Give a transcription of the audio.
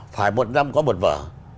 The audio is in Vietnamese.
phải một năm có một vở